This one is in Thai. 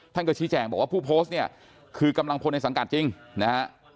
ชี้แจงบอกว่าผู้โพสต์เนี่ยคือกำลังพลในสังกัดจริงนะฮะ